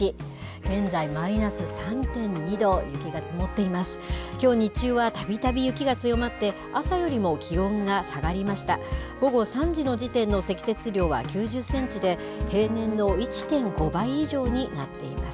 現在マイナス３．２度、雪が積もっています。